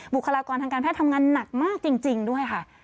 บุคลากรทางการแพทย์ทำงานหนักมากจริงด้วยค่ะ